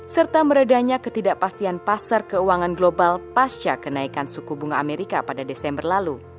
serta meredahnya ketidakpastian pasar keuangan global pasca kenaikan suku bunga amerika pada desember lalu